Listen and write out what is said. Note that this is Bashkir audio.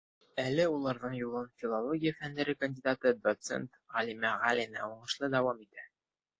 Әле уларҙың юлын филология фәндәре кандидаты, доцент Ғәлимә Ғәлина уңышлы дауам итә.